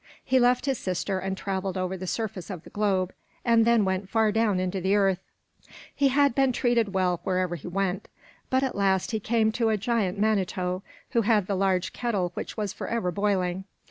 He left his sister and traveled over the surface of the globe, and then went far down into the earth. He had been treated well wherever he went. But at last he came to a giant manito, who had a large kettle which was forever boiling.